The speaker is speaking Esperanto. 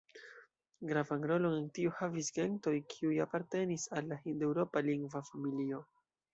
Gravan rolon en tio havis gentoj, kiuj apartenis al la hind-eŭropa lingva familio.